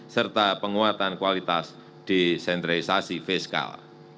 serta penguatan kualitas desentralisasi fiskal